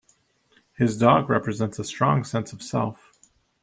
His dog represents a strong sense of self.